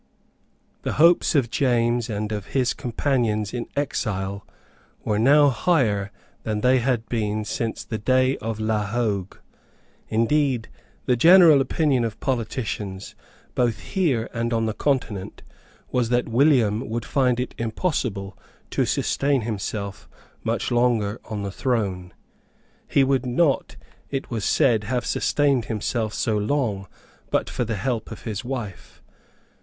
The hopes of James and of his companions in exile were now higher than they had been since the day of La Hogue. Indeed the general opinion of politicians, both here and on the Continent was that William would find it impossible to sustain himself much longer on the throne. He would not, it was said, have sustained himself so long but for the help of his wife.